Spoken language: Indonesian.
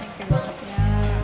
dikit banget ya